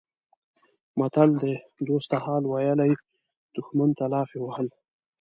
متل دی: دوست ته حال ویلی دښمن ته لافې وهل.